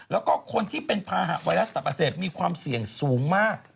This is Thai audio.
แล้วก็คนที่เป็นภาหะไวรัสตับอักเสบมีความเสี่ยงสูงมาก